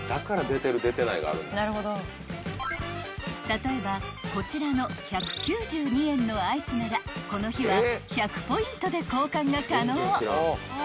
［例えばこちらの１９２円のアイスならこの日は１００ポイントで交換が可能］